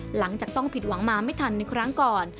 หลังจากต้องผิดหวังมาไม่ทันในครั้งก่อน